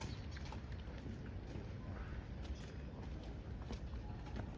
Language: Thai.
ผมไม่กล้าด้วยผมไม่กล้าด้วยผมไม่กล้าด้วยผมไม่กล้าด้วย